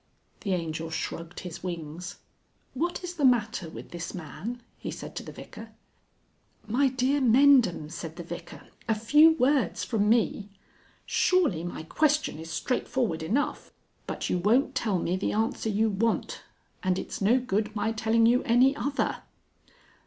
The Angel shrugged his wings. "What is the matter with this man?" he said to the Vicar. "My dear Mendham," said the Vicar, "a few words from me...." "Surely my question is straightforward enough!" "But you won't tell me the answer you want, and it's no good my telling you any other."